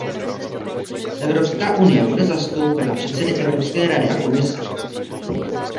Evropská unie bude zastoupena předsedy Evropské rady a Komise.